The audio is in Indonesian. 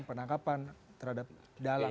penangkapan terhadap dalang